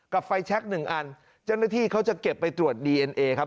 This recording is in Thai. ไฟแช็คหนึ่งอันเจ้าหน้าที่เขาจะเก็บไปตรวจดีเอ็นเอครับ